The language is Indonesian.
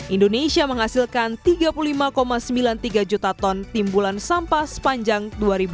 indonesia menghasilkan tiga puluh lima sembilan puluh tiga juta ton timbulan sampah sepanjang dua ribu dua puluh